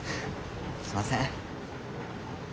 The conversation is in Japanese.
すいません。